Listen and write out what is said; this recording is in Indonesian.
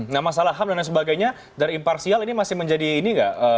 nah masalah ham dan lain sebagainya dari imparsial ini masih menjadi ini nggak